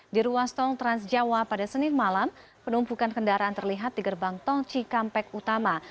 di ruas tol transjawa pada senin malam penumpukan kendaraan terlihat di gerbang tol cikampek utama